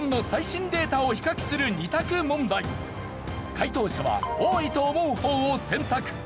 解答者は多いと思う方を選択。